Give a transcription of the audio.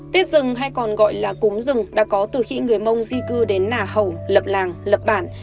tiết rừng hay còn gọi là cúm rừng đã có từ khi người mông di cư đến nà hầu lập làng lập bản